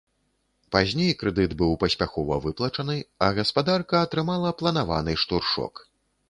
Пазней крэдыт быў паспяхова выплачаны, а гаспадарка атрымала планаваны штуршок.